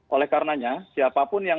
oleh karenanya siapapun yang